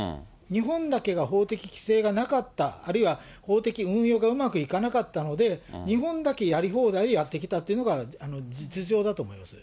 日本だけが法的規制がなかった、あるいは法的運用がうまくいかなかったので、日本だけやり放題やってきたというのが実情だと思います。